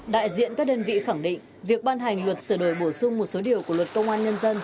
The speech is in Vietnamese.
đại diện các đơn vị khẳng định việc ban hành luật sửa đổi bổ sung một số điều của luật công an nhân dân